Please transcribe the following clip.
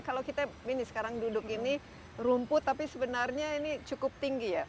kalau kita ini sekarang duduk ini rumput tapi sebenarnya ini cukup tinggi ya